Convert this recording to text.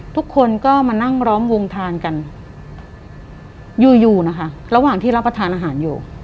ทุกคนก็มานั่งล้อมวงทานกันอยู่อยู่นะคะระหว่างที่รับประทานอาหารอยู่